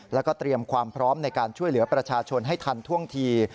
แล้วก็เตรียมความพร้อมในการช่วยเหลือประชาชนให้ทันท่วงที